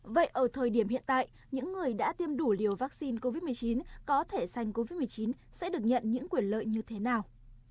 vậy ở thời điểm hiện tại những người đã tiêm đủ liều vaccine covid một mươi chín có thể sành covid một mươi chín sẽ được nhận những quyền lợi như thế nào